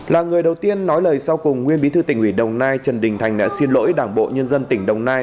là người đầu tiên nói lời sau cùng nguyên bí thư tỉnh ủy đồng nai trần đình thành đã xin lỗi đảng bộ nhân dân tỉnh đồng nai